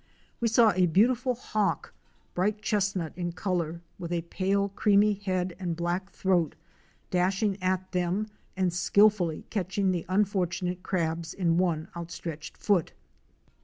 We saw a beautiful Hawk," bright chestnut in color, with a pale creamy head and black throat, dashing at them and skil fully catching the unfortunate crabs in one outstretched foot.